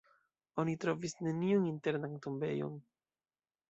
Oni trovis neniun internan tombejon.